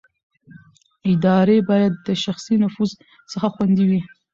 ادارې باید د شخصي نفوذ څخه خوندي وي